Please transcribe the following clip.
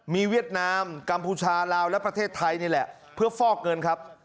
มีเวียดนามกัมพูชาลาวและประเทศไทยนี่แหละเพื่อฟอกเงินครับ